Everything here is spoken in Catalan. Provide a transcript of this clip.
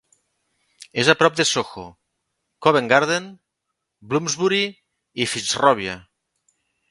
És a prop de Soho, Covent Garden, Bloomsbury i Fitzrovia.